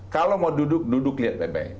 kalau mau duduk duduk lihat bebek